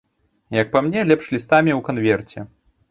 Як па мне, лепш лістамі ў канверце.